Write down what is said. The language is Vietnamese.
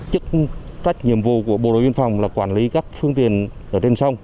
chức trách nhiệm vụ của bộ đội biên phòng là quản lý các phương tiện ở trên sông